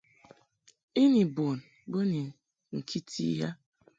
I ni bun bo ni ŋkiti i a.